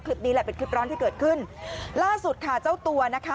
โรดเจ้าเจ้าเจ้าเจ้าเจ้าเจ้าเจ้าเจ้าเจ้าเจ้าเจ้าเจ้าเจ้าเจ้าเจ้า